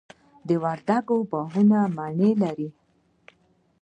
د وردګو باغونه مڼې لري.